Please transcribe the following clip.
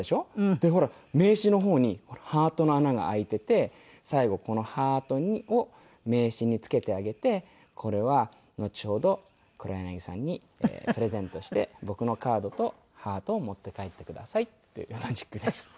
でほら名刺の方にハートの穴が開いていて最後このハートを名刺につけてあげてこれはのちほど黒柳さんにプレゼントして僕のカードとハートを持って帰ってくださいというマジックです。